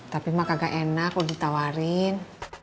tapi mah kagak enak kalau ditawarin